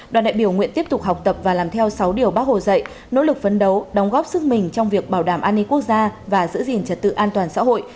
đoàn đại biểu nguyện tiếp tục học tập và làm theo sáu điều bác hồ dạy nỗ lực phấn đấu đóng góp sức mình trong việc bảo đảm an ninh quốc gia và giữ gìn trật tự an toàn xã hội